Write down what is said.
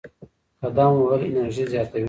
قدم وهل انرژي زیاتوي.